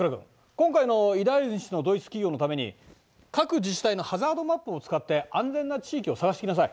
今回の依頼主のドイツ企業のために各自治体のハザードマップを使って安全な地域を探してきなさい。